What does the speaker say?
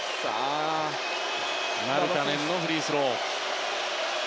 マルカネンのフリースロー。